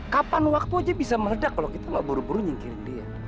kapan waktu aja bisa meledak kalau kita gak buru buru nyingkirin dia